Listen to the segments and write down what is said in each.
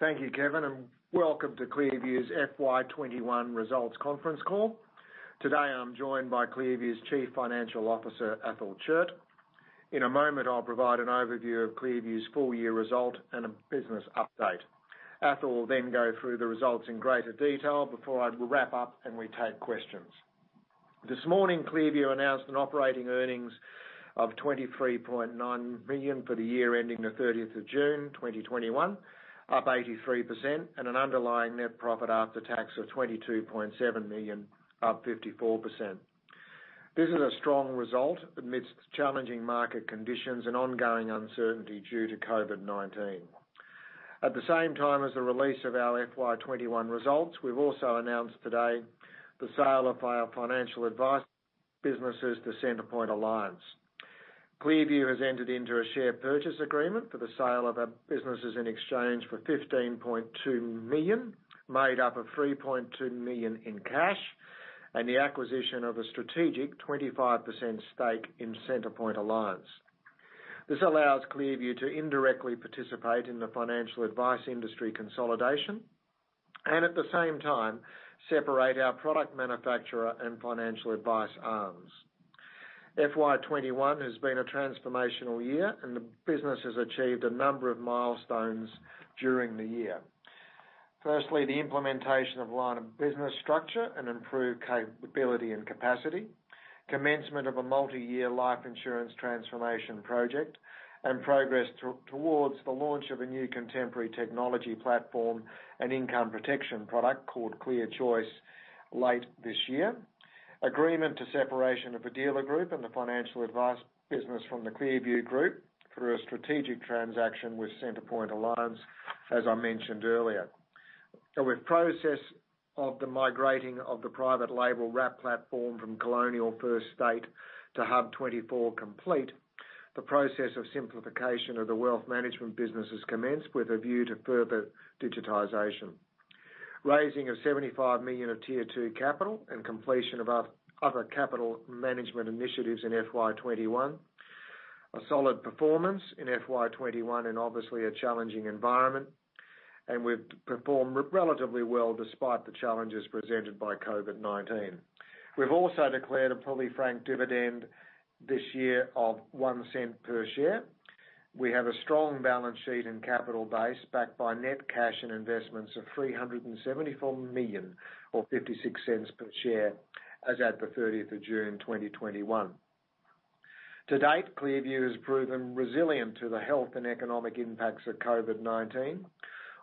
Thank you, Kevin, and welcome to ClearView's FY 2021 results conference call. Today, I'm joined by ClearView's Chief Financial Officer, Athol Chiert. In a moment, I'll provide an overview of ClearView's full-year result and a business update. Athol will go through the results in greater detail before I will wrap up, and we take questions. This morning, ClearView announced an operating earnings of 23.9 million for the year ending the 30th of June 2021, up 83%, and an underlying net profit after tax of 22.7 million, up 54%. This is a strong result amidst challenging market conditions and ongoing uncertainty due to COVID-19. At the same time as the release of our FY 2021 results, we've also announced today the sale of our financial advice businesses to Centrepoint Alliance. ClearView has entered into a share purchase agreement for the sale of our businesses in exchange for 15.2 million, made up of 3.2 million in cash, and the acquisition of a strategic 25% stake in Centrepoint Alliance. This allows ClearView to indirectly participate in the financial advice industry consolidation and at the same time separate our product manufacturer and financial advice arms. FY 2021 has been a transformational year, and the business has achieved a number of milestones during the year. Firstly, the implementation of line of business structure and improved capability and capacity, commencement of a multi-year life insurance transformation project, and progress towards the launch of a new contemporary technology platform and income protection product called ClearChoice late this year. Agreement to separation of a dealer group and the financial advice business from the ClearView Group through a strategic transaction with Centrepoint Alliance, as I mentioned earlier. With process of the migrating of the private label wrap platform from Colonial First State to HUB24 complete, the process of simplification of the wealth management business is commenced with a view to further digitization. Raising of 75 million of Tier 2 capital and completion of other capital management initiatives in FY 2021. A solid performance in FY 2021 in obviously a challenging environment, and we've performed relatively well despite the challenges presented by COVID-19. We've also declared a fully franked dividend this year of 0.01 per share. We have a strong balance sheet and capital base backed by net cash and investments of 374 million or 0.56 per share as at the 30th of June 2021. To date, ClearView has proven resilient to the health and economic impacts of COVID-19.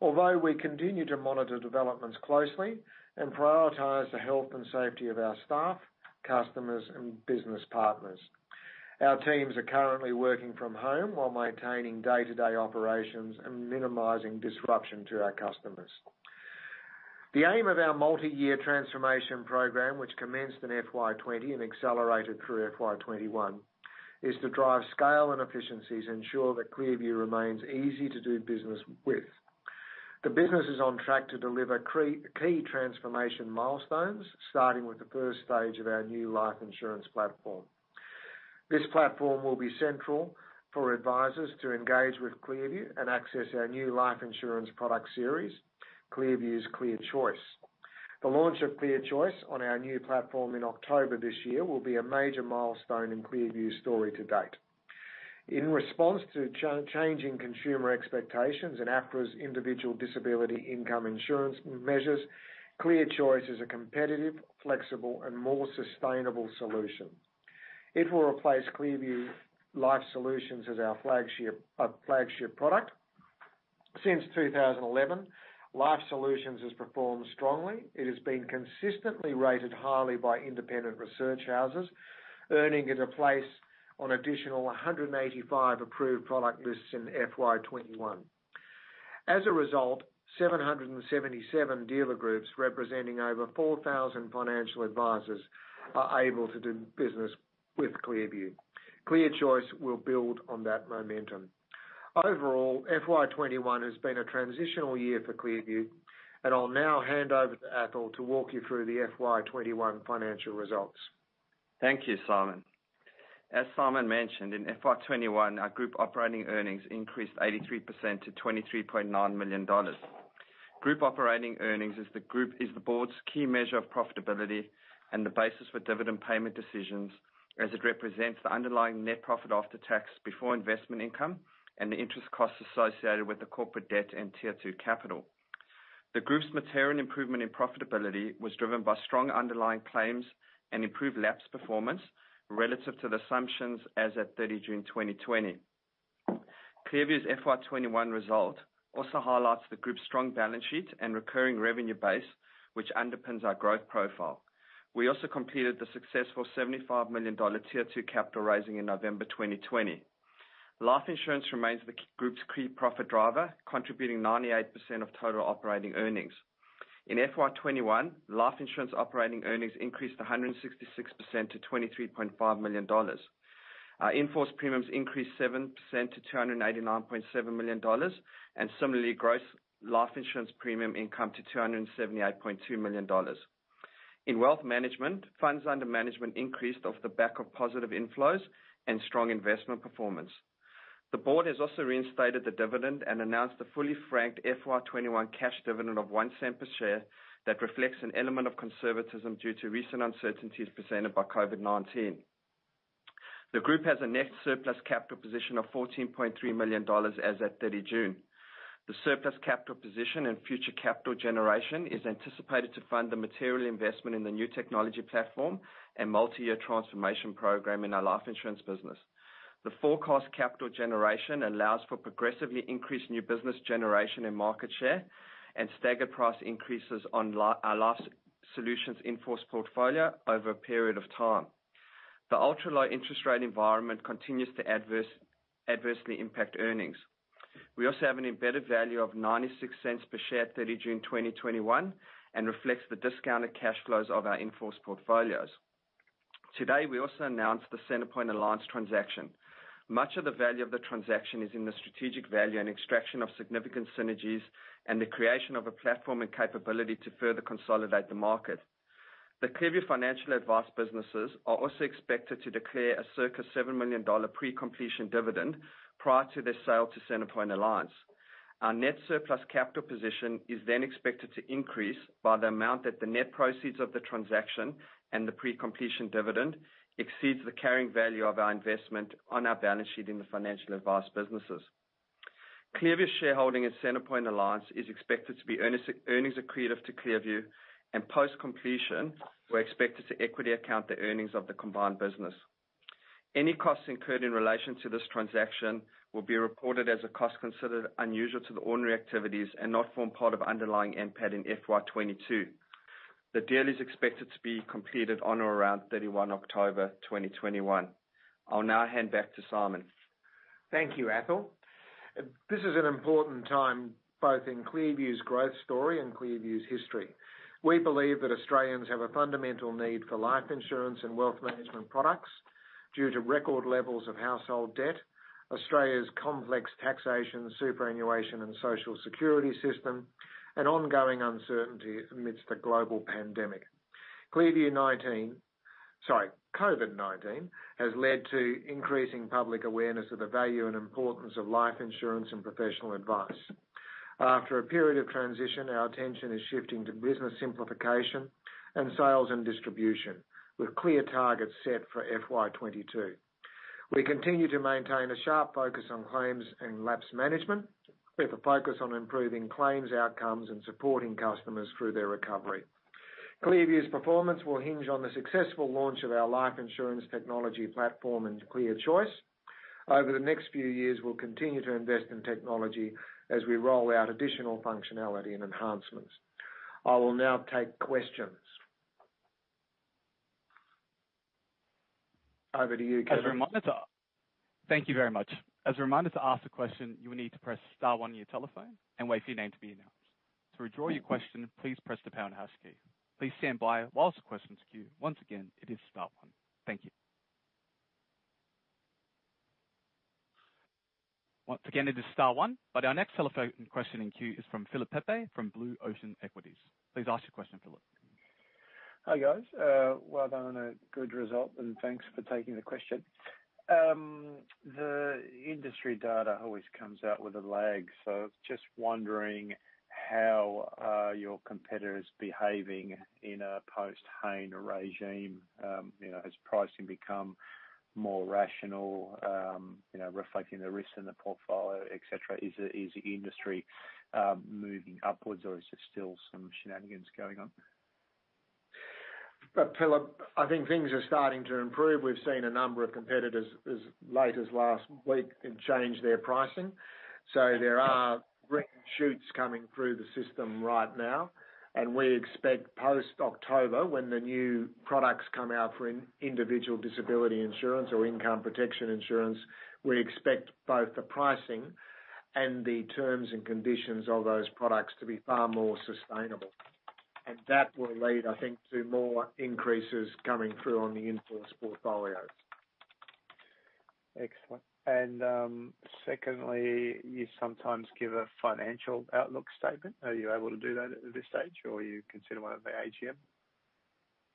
Although we continue to monitor developments closely and prioritize the health and safety of our staff, customers, and business partners. Our teams are currently working from home while maintaining day-to-day operations and minimizing disruption to our customers. The aim of our multi-year transformation program, which commenced in FY 2020 and accelerated through FY 2021, is to drive scale and efficiencies, ensure that ClearView remains easy to do business with. The business is on track to deliver key transformation milestones, starting with the first stage of our new life insurance platform. This platform will be central for advisors to engage with ClearView and access our new life insurance product series, ClearView's ClearChoice. The launch of ClearChoice on our new platform in October this year will be a major milestone in ClearView's story to date. In response to changing consumer expectations and APRA's individual disability income insurance measures, ClearChoice is a competitive, flexible, and more sustainable solution. It will replace ClearView LifeSolutions as our flagship product. Since 2011, LifeSolutions has performed strongly. It has been consistently rated highly by independent research houses, earning it a place on additional 185 approved product lists in FY 2021. As a result, 777 dealer groups representing over 4,000 financial advisors are able to do business with ClearView. ClearChoice will build on that momentum. Overall, FY 2021 has been a transitional year for ClearView, and I'll now hand over to Athol to walk you through the FY 2021 financial results. Thank you, Simon. As Simon mentioned, in FY 2021, our group operating earnings increased 83% to 23.9 million dollars. Group operating earnings is the board's key measure of profitability and the basis for dividend payment decisions as it represents the underlying net profit after tax before investment income and the interest costs associated with the corporate debt and Tier 2 capital. The group's material improvement in profitability was driven by strong underlying claims and improved lapse performance relative to the assumptions as at 30 June 2020. ClearView's FY 2021 result also highlights the group's strong balance sheet and recurring revenue base, which underpins our growth profile. We also completed the successful 75 million dollar Tier 2 capital raising in November 2020. Life insurance remains the group's key profit driver, contributing 98% of total operating earnings. In FY 2021, life insurance operating earnings increased 166% to 23.5 million dollars. Our in-force premiums increased 7% to 289.7 million dollars. Similarly, gross life insurance premium income to 278.2 million dollars. In wealth management, funds under management increased off the back of positive inflows and strong investment performance. The board has also reinstated the dividend and announced a fully franked FY 2021 cash dividend of 0.01 per share that reflects an element of conservatism due to recent uncertainties presented by COVID-19. The group has a net surplus capital position of 14.3 million dollars as at 30 June. The surplus capital position and future capital generation is anticipated to fund the material investment in the new technology platform and multi-year transformation program in our life insurance business. The forecast capital generation allows for progressively increased new business generation and market share, and staggered price increases on our LifeSolutions in-force portfolio over a period of time. The ultra-low interest rate environment continues to adversely impact earnings. We also have an embedded value of 0.96 per share at 30 June 2021 and reflects the discounted cash flows of our in-force portfolios. Today, we also announced the Centrepoint Alliance transaction. Much of the value of the transaction is in the strategic value and extraction of significant synergies and the creation of a platform and capability to further consolidate the market. The ClearView Financial Advice businesses are also expected to declare a circa 7 million dollar pre-completion dividend prior to their sale to Centrepoint Alliance. Our net surplus capital position is expected to increase by the amount that the net proceeds of the transaction and the pre-completion dividend exceeds the carrying value of our investment on our balance sheet in the Financial Advice businesses. ClearView's shareholding in Centrepoint Alliance is expected to be earnings accretive to ClearView, and post-completion, we're expected to equity account the earnings of the combined business. Any costs incurred in relation to this transaction will be reported as a cost considered unusual to the ordinary activities and not form part of underlying NPAT in FY 2022. The deal is expected to be completed on or around 31 October 2021. I'll now hand back to Simon. Thank you, Athol. This is an important time both in ClearView's growth story and ClearView's history. We believe that Australians have a fundamental need for life insurance and wealth management products due to record levels of household debt, Australia's complex taxation, superannuation, and social security system, and ongoing uncertainty amidst the global pandemic. COVID-19 has led to increasing public awareness of the value and importance of life insurance and professional advice. After a period of transition, our attention is shifting to business simplification and sales and distribution with clear targets set for FY 2022. We continue to maintain a sharp focus on claims and lapse management, with a focus on improving claims outcomes and supporting customers through their recovery. ClearView's performance will hinge on the successful launch of our life insurance technology platform and ClearChoice. Over the next few years, we'll continue to invest in technology as we roll out additional functionality and enhancements. I will now take questions. Over to you, Kevin. Thank you very much. As a reminder, to ask a question, you will need to press star one on your telephone and wait for your name to be announced. To withdraw your question, please press the pound hash key. Please stand by while the questions queue. Once again, it is star one. Thank you. Once again, it is star one. Our next telephone question in queue is from Philip Pepe from Blue Ocean Equities. Please ask your question, Philip. Hi, guys. Well done on a good result, and thanks for taking the question. The industry data always comes out with a lag, so just wondering how are your competitors behaving in a post-Hayne regime? Has pricing become more rational, reflecting the risks in the portfolio, et cetera? Is the industry moving upwards, or is there still some shenanigans going on? Look, Philip, I think things are starting to improve. We've seen a number of competitors, as late as last week, change their pricing. There are green shoots coming through the system right now, and we expect post-October, when the new products come out for individual disability insurance or income protection insurance, we expect both the pricing and the terms and conditions of those products to be far more sustainable. That will lead, I think, to more increases coming through on the in-force portfolios. Excellent. Secondly, you sometimes give a financial outlook statement. Are you able to do that at this stage, or you consider one at the AGM?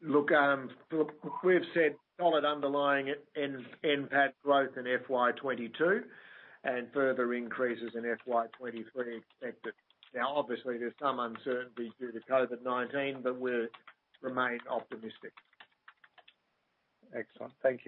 Look, Philip, we've said solid underlying NPAT growth in FY 2022 and further increases in FY 2023 expected. Now, obviously, there's some uncertainty due to COVID-19, but we remain optimistic. Excellent. Thank you.